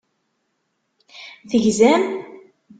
Tegzam?